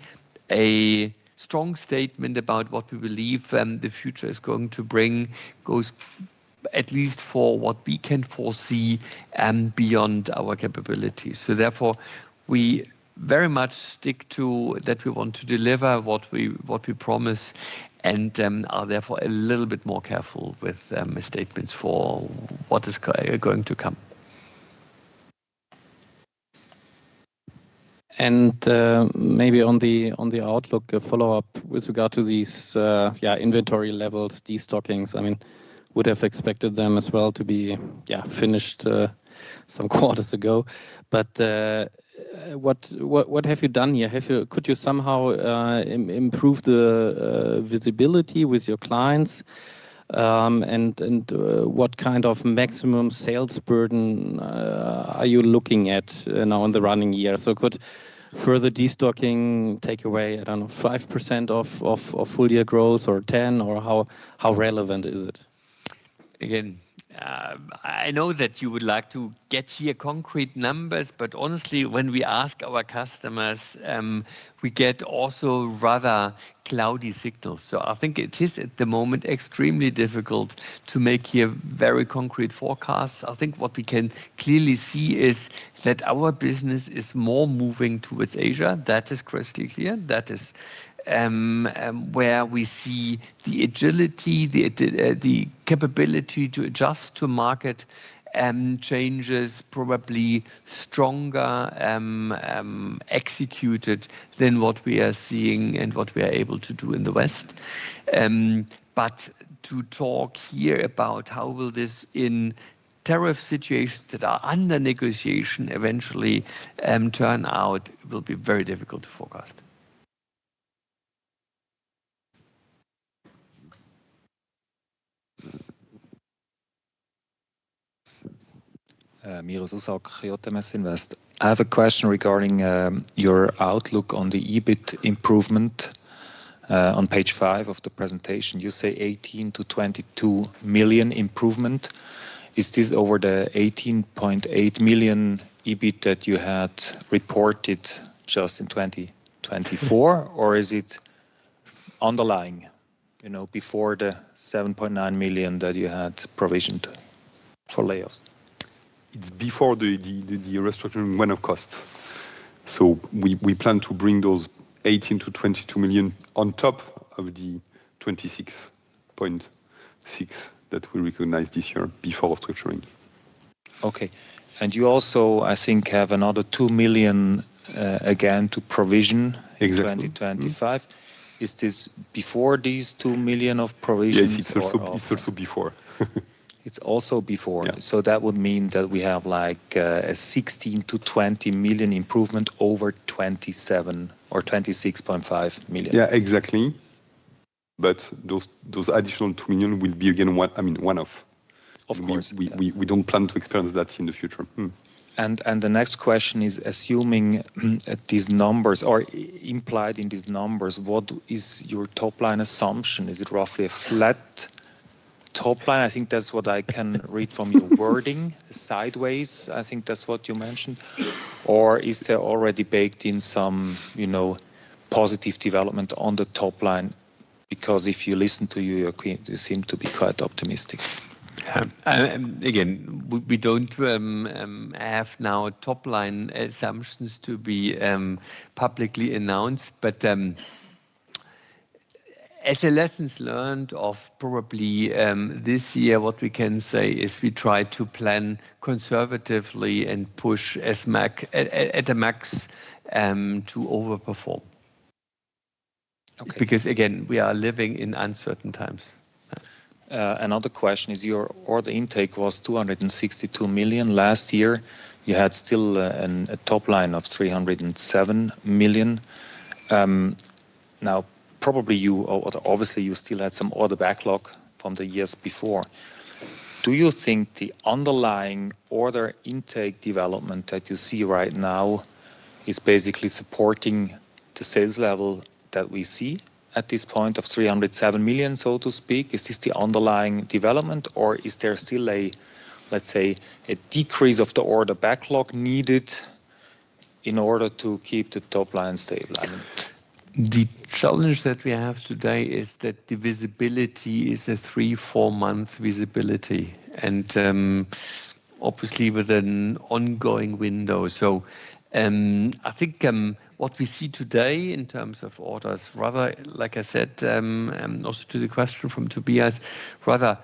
a strong statement about what we believe the future is going to bring goes at least for what we can foresee beyond our capabilities. Therefore, we very much stick to that we want to deliver what we promise and are therefore a little bit more careful with statements for what is going to come. Maybe on the outlook, a follow-up with regard to these inventory levels, destockings. I mean, would have expected them as well to be finished some quarters ago. What have you done here? Could you somehow improve the visibility with your clients? What kind of maximum sales burden are you looking at now in the running year? Could further destocking take away, I do not know, 5% of full-year growth or 10%, or how relevant is it? Again, I know that you would like to get here concrete numbers, but honestly, when we ask our customers, we get also rather cloudy signals. I think it is at the moment extremely difficult to make here very concrete forecasts. I think what we can clearly see is that our business is more moving towards Asia. That is crystal clear. That is where we see the agility, the capability to adjust to market changes probably stronger executed than what we are seeing and what we are able to do in the West. To talk here about how will this in tariff situations that are under negotiation eventually turn out will be very difficult to forecast. Mira Zusak, HJMS Invest. I have a question regarding your outlook on the EBIT improvement on page five of the presentation. You say 18-22 million improvement. Is this over the 18.8 million EBIT that you had reported just in 2024, or is it underlying before the 7.9 million that you had provisioned for layoffs? It's before the restructuring when of costs. We plan to bring those 18-22 million on top of the 26.6 million that we recognize this year before restructuring. Okay. You also, I think, have another 2 million again to provision in 2025. Is this before these 2 million of provisions? Yes, it's also before. It's also before so that would mean that we have like a 16-20 million improvement over 27 or 26.5 million. Yeah, exactly. Those additional 2 million will be, again, I mean, one-off. Of course. We do not plan to experience that in the future. The next question is, assuming these numbers are implied in these numbers, what is your top-line assumption? Is it roughly a flat top-line? I think that is what I can read from your wording sideways. I think that is what you mentioned. Or is there already baked in some positive development on the top-line? Because if you listen to you, you seem to be quite optimistic. Again, we do not have now top-line assumptions to be publicly announced, but as a lesson learned of probably this year, what we can say is we try to plan conservatively and push at the max to overperform. Because again, we are living in uncertain times. Another question is your order intake was 262 million last year. You had still a top-line of 307 million. Now, probably you, or obviously you still had some order backlog from the years before. Do you think the underlying order intake development that you see right now is basically supporting the sales level that we see at this point of 307 million, so to speak? Is this the underlying development, or is there still a, let's say, a decrease of the order backlog needed in order to keep the top-line stable? The challenge that we have today is that the visibility is a three, four-month visibility and obviously with an ongoing window. I think what we see today in terms of orders, rather, like I said, also to the question from Tobias, rather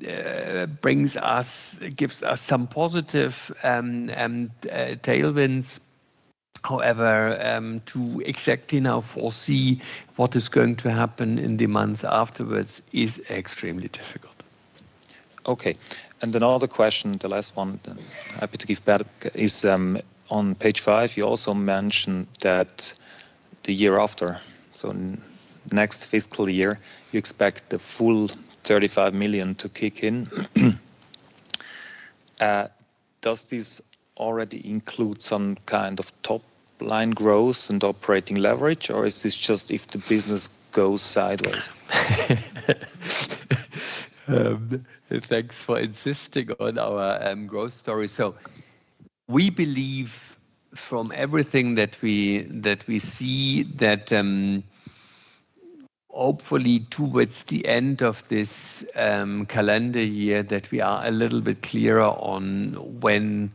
gives us some positive tailwinds. However, to exactly now foresee what is going to happen in the months afterwards is extremely difficult. Okay. Another question, the last one, happy to give back, is on page five, you also mentioned that the year after, so next fiscal year, you expect the full 35 million to kick in. Does this already include some kind of top-line growth and operating leverage, or is this just if the business goes sideways? Thanks for insisting on our growth story. We believe from everything that we see that hopefully towards the end of this calendar year that we are a little bit clearer on when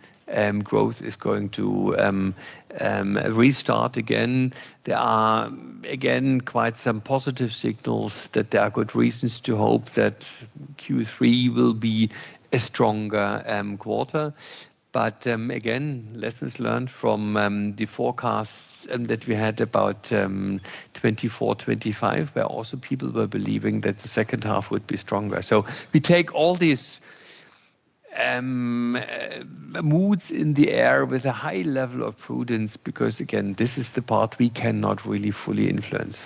growth is going to restart again. There are again quite some positive signals that there are good reasons to hope that Q3 will be a stronger quarter. But again, lessons learned from the forecasts that we had about 2024, 2025, where also people were believing that the second half would be stronger. We take all these moods in the air with a high level of prudence because again, this is the part we cannot really fully influence.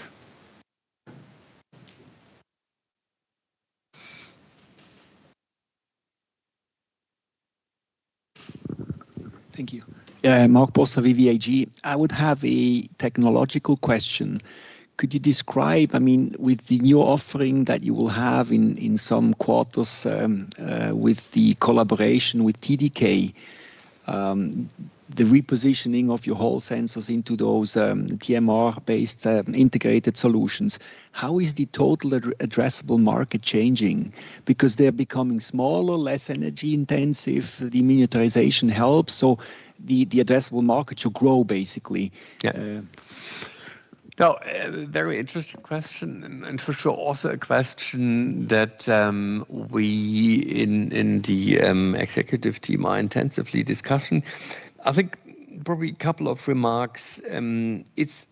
Thank you. Yeah, Mark Bosa, VVAG. I would have a technological question. Could you describe, I mean, with the new offering that you will have in some quarters with the collaboration with TDK, the repositioning of your whole sensors into those TMR-based integrated solutions, how is the total addressable market changing? Because they are becoming smaller, less energy intensive, the miniaturization helps. The addressable market should grow basically. Yeah. No, very interesting question. And for sure, also a question that we in the executive team are intensively discussing. I think probably a couple of remarks. It's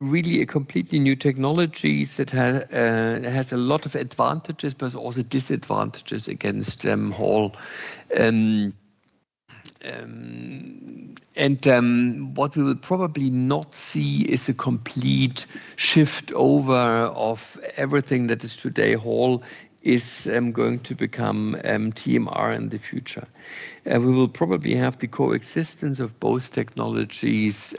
really a completely new technology that has a lot of advantages, but also disadvantages against them all. What we will probably not see is a complete shift over of everything that is today Hall is going to become TMR in the future. We will probably have the coexistence of both technologies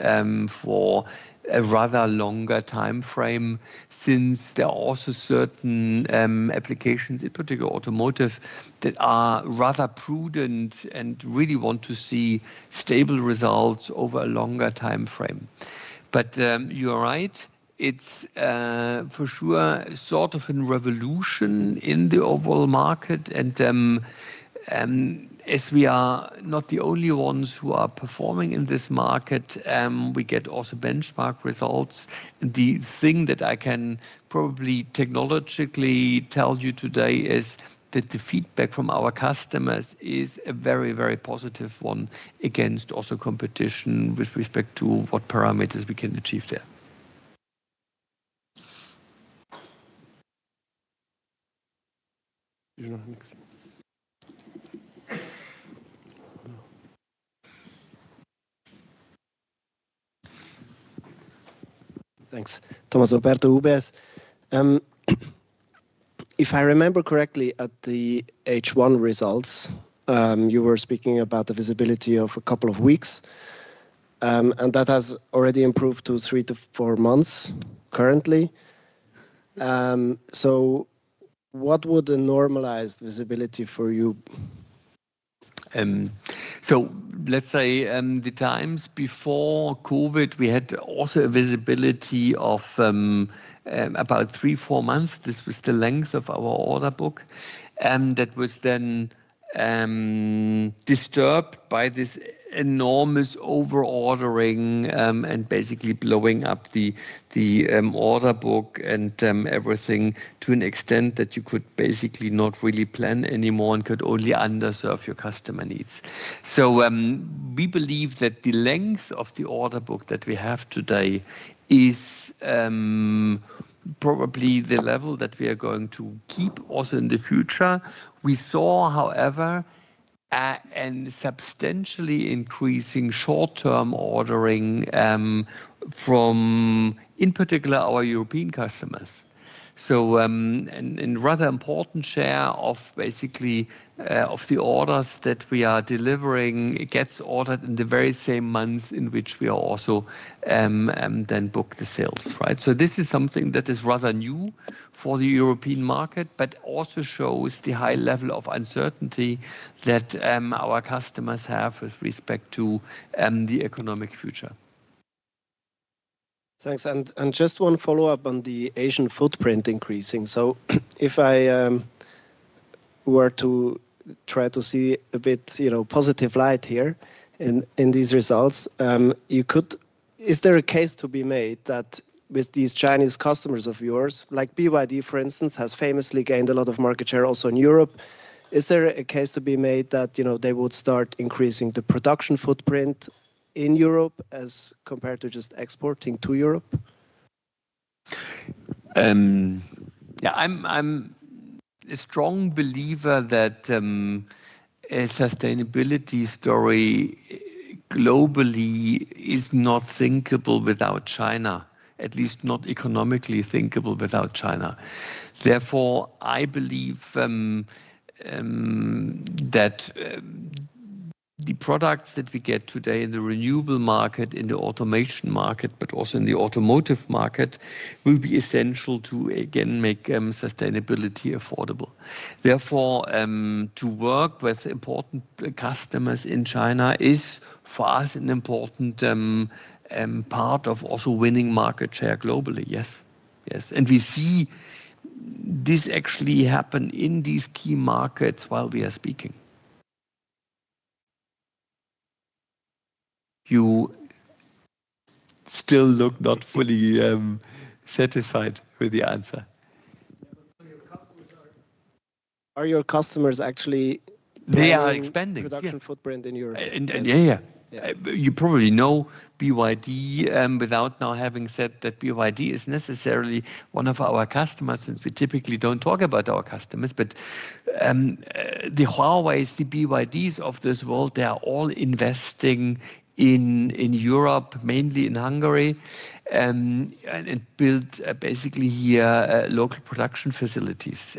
for a rather longer time frame since there are also certain applications, in particular automotive, that are rather prudent and really want to see stable results over a longer time frame. You are right. It is for sure sort of a revolution in the overall market. As we are not the only ones who are performing in this market, we get also benchmark results. The thing that I can probably technologically tell you today is that the feedback from our customers is a very, very positive one against also competition with respect to what parameters we can achieve there. Thanks. Tomasso Operto. If I remember correctly at the H1 results, you were speaking about the visibility of a couple of weeks, and that has already improved to three to four months currently. What would a normalized visibility be for you? Let's say the times before COVID, we had also a visibility of about three to four months. This was the length of our order book that was then disturbed by this enormous overordering and basically blowing up the order book and everything to an extent that you could basically not really plan anymore and could only underserve your customer needs. We believe that the length of the order book that we have today is probably the level that we are going to keep also in the future. We saw, however, a substantially increasing short-term ordering from, in particular, our European customers. A rather important share of the orders that we are delivering gets ordered in the very same months in which we also then booked the sales, right? This is something that is rather new for the European market, but also shows the high level of uncertainty that our customers have with respect to the economic future. Thanks. Just one follow-up on the Asian footprint increasing. If I were to try to see a bit positive light here in these results, is there a case to be made that with these Chinese customers of yours, like BYD, for instance, has famously gained a lot of market share also in Europe? Is there a case to be made that they would start increasing the production footprint in Europe as compared to just exporting to Europe? Yeah, I'm a strong believer that a sustainability story globally is not thinkable without China, at least not economically thinkable without China. Therefore, I believe that the products that we get today in the renewable market, in the automation market, but also in the automotive market will be essential to, again, make sustainability affordable. Therefore, to work with important customers in China is, for us, an important part of also winning market share globally. Yes. Yes. We see this actually happen in these key markets while we are speaking. You still look not fully satisfied with the answer. Are your customers actually producing production footprint in Europe? Yeah, yeah. You probably know BYD without now having said that BYD is necessarily one of our customers since we typically do not talk about our customers. The Huawei's, the BYDs of this world, they are all investing in Europe, mainly in Hungary, and build basically here local production facilities.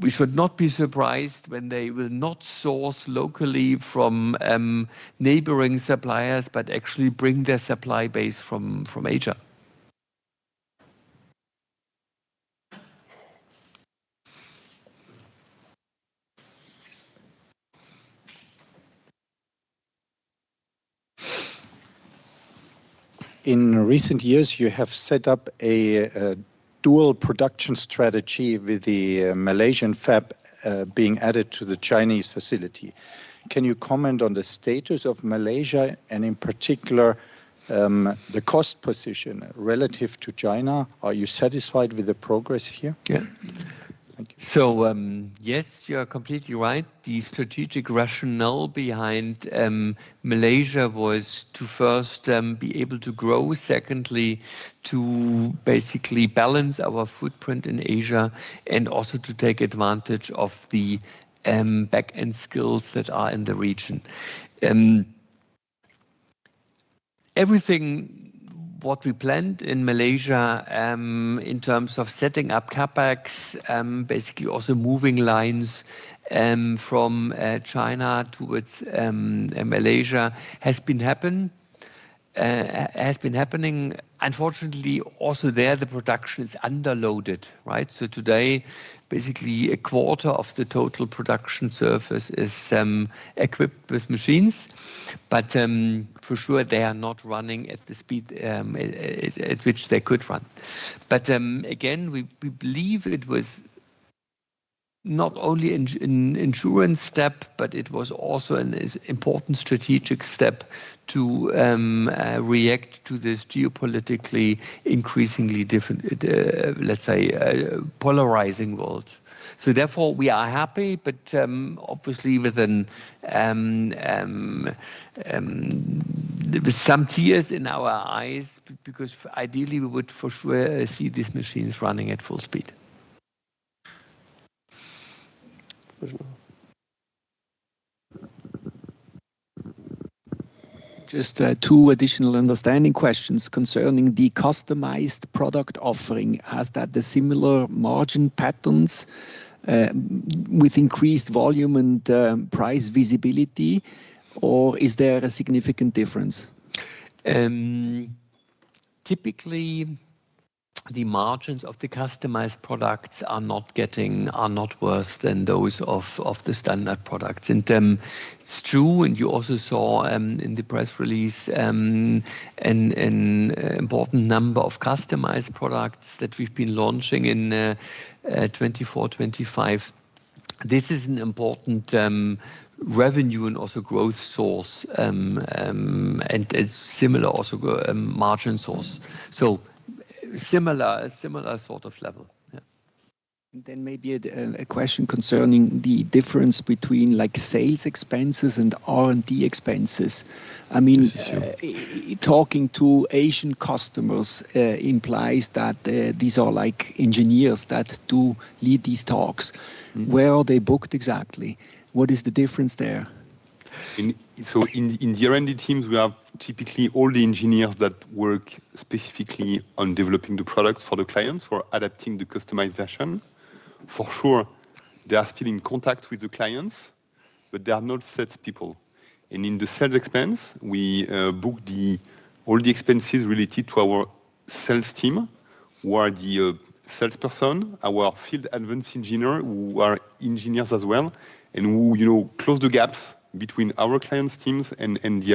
We should not be surprised when they will not source locally from neighboring suppliers, but actually bring their supply base from Asia. In recent years, you have set up a dual production strategy with the Malaysian fab being added to the Chinese facility. Can you comment on the status of Malaysia and in particular the cost position relative to China? Are you satisfied with the progress here? Yeah. Yes, you are completely right. The strategic rationale behind Malaysia was to first be able to grow, secondly, to basically balance our footprint in Asia, and also to take advantage of the back-end skills that are in the region. Everything we planned in Malaysia in terms of setting up CapEx, basically also moving lines from China to Malaysia, has been happening. Unfortunately, also there, the production is underloaded, right? Today, basically a quarter of the total production surface is equipped with machines, but for sure, they are not running at the speed at which they could run. Again, we believe it was not only an insurance step, but it was also an important strategic step to react to this geopolitically increasingly different, let's say, polarizing world. Therefore, we are happy, but obviously with some tears in our eyes because ideally we would for sure see these machines running at full speed. Just two additional understanding questions concerning the customized product offering. Has that the similar margin patterns with increased volume and price visibility, or is there a significant difference? Typically, the margins of the customized products are not worse than those of the standard products. It's true, and you also saw in the press release an important number of customized products that we've been launching in 2024, 2025. This is an important revenue and also growth source, and similar also margin source. So similar sort of level. Yeah. Maybe a question concerning the difference between sales expenses and R&D expenses. I mean, talking to Asian customers implies that these are like engineers that do lead these talks. Where are they booked exactly? What is the difference there? In the R&D teams, we have typically all the engineers that work specifically on developing the products for the clients or adapting the customized version. For sure, they are still in contact with the clients, but they are not salespeople. In the sales expense, we book all the expenses related to our sales team who are the salesperson, our field advanced engineer who are engineers as well, and who close the gaps between our clients' teams and the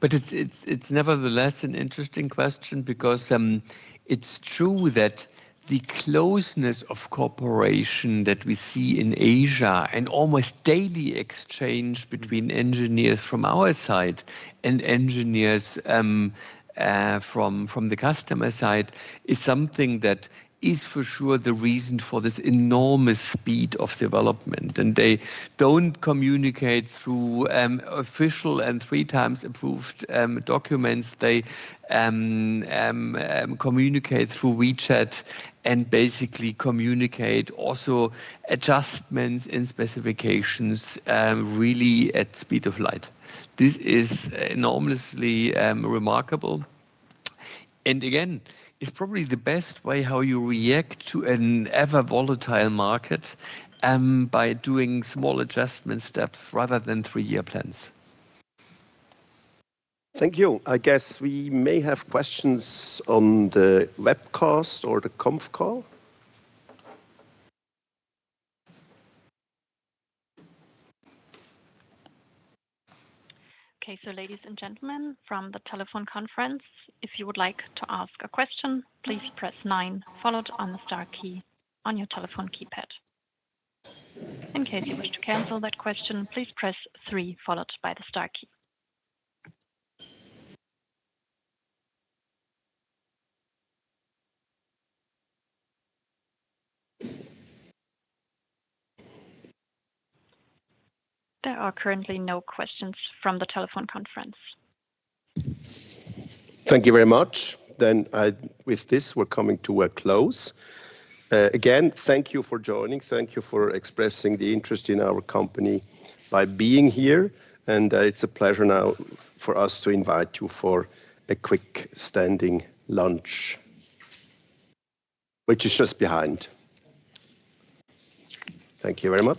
R&D. It is nevertheless an interesting question because it is true that the closeness of cooperation that we see in Asia and almost daily exchange between engineers from our side and engineers from the customer side is something that is for sure the reason for this enormous speed of development. They do not communicate through official and three times approved documents. They communicate through WeChat and basically communicate also adjustments in specifications really at speed of light. This is enormously remarkable. Again, it's probably the best way how you react to an ever-volatile market by doing small adjustment steps rather than three-year plans. Thank you. I guess we may have questions on the webcast or the conference call. Okay. Ladies and gentlemen, from the telephone conference, if you would like to ask a question, please press nine followed by the star key on your telephone keypad. In case you wish to cancel that question, please press three followed by the star key. There are currently no questions from the telephone conference. Thank you very much. With this, we are coming to a close. Again, thank you for joining. Thank you for expressing the interest in our company by being here. It is a pleasure now for us to invite you for a quick standing lunch, which is just behind. Thank you very much.